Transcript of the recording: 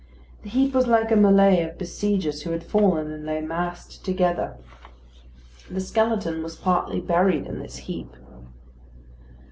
The heap was like a mêlée of besiegers who had fallen, and lay massed together. The skeleton was partly buried in this heap.